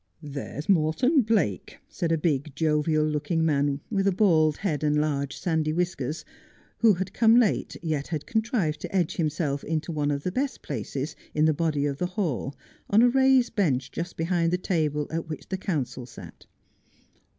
' There's Morton Blake,' said a big, jovial looking man, with a bald head, and large sandy whiskers, who had come late, yet had E 50 Just as I Am. contrived to edge himself into one of the best places in the body of the hall on a raised bench just behind the table at which the counsel sat.